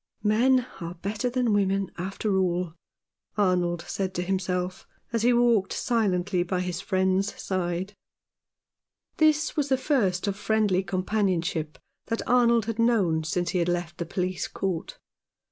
" Men are better than women, after all," Arnold said to himself, as he walked silently by his friend's side. This was the first of friendly companionship that Arnold had known since he left the police court.